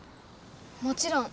もちろん。